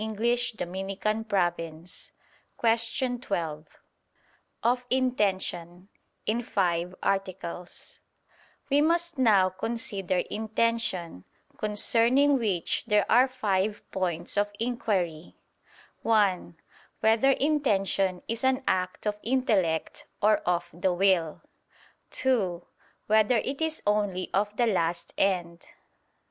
________________________ QUESTION 12 OF INTENTION (In Five Articles) We must now consider Intention: concerning which there are five points of inquiry: (1) Whether intention is an act of intellect or of the will? (2) Whether it is only of the last end?